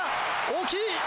大きい！